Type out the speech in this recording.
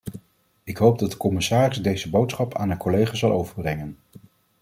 Ik hoop dat de commissaris deze boodschap aan haar collega zal overbrengen.